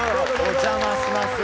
お邪魔します。